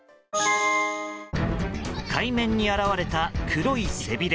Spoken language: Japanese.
海面に現れた黒い背びれ。